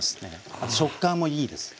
あと食感もいいです。